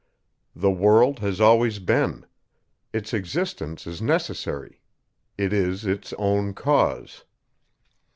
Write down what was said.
The world has always been; its existence is necessary; it is its own cause.